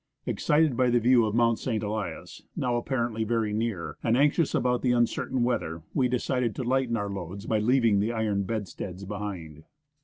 Excited by the view of Mount St. Elias, now apparently very near, and anxious about the un certain weather, we de cided to lighten our loads by leaving the iron bed steads behind.